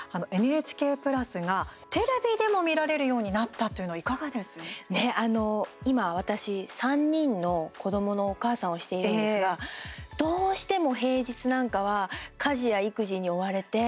ＮＨＫプラスがテレビでも見られるようになったというのは今、私、３人の子どものお母さんをしているんですがどうしても平日なんかは家事や育児に追われて。